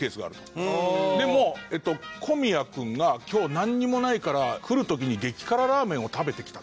でも小宮君が今日なんにもないから来る時に激辛ラーメンを食べてきたと。